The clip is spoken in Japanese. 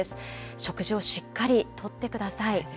食事をしっかりとってください。